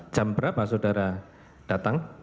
jam berapa saudara datang